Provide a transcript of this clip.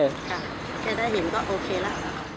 ค่ะแค่ได้เห็นก็โอเคล่ะ